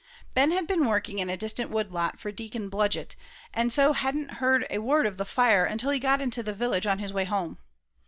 Ben had been working in a distant wood lot for Deacon Blodgett, and so hadn't heard a word of the fire until he got into the village, on his way home.